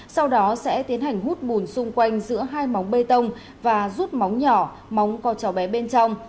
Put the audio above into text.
sau đó sẽ tiến hành hút bùn xung quanh giữa hai móng bê tông và rút móng nhỏ móng con cháu bé bên trong